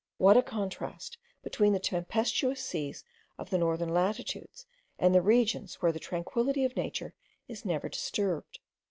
What a contrast between the tempestuous seas of the northern latitudes and the regions where the tranquillity of nature is never disturbed!